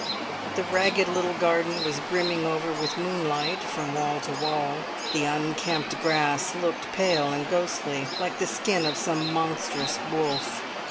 The ragged little garden was brimming over with moonlight from wall to wall. The unkempt grass looked pale and ghostly, like the skin of some monstrous wolf.